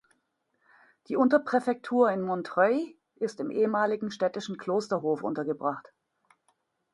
Die Unterpräfektur in Montreuil ist im ehemaligen städtischen Klosterhof untergebracht.